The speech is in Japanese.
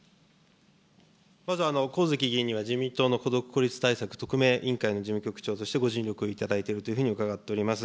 まず、上月議員には、自民党の孤独・孤立対策特命委員会の事務局長としてご尽力をいただいているというふうに伺っております。